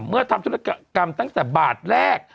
ทำธุรกรรมตั้งแต่บาทแรก